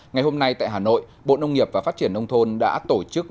ngày hôm nay tại hà nội bộ nông nghiệp và phát triển nông thôn đã tổ chức